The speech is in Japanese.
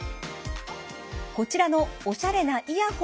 こちらのおしゃれなイヤホンのようなもの